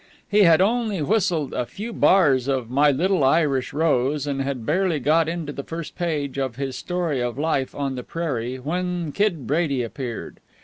He had only whistled a few bars of "My Little Irish Rose," and had barely got into the first page of his story of life on the prairie, when Kid Brady appeared.